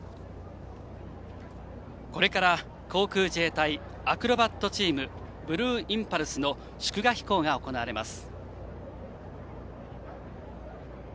これから航空自衛隊アクロバットチームブルーインパルスの祝賀飛行が行われます。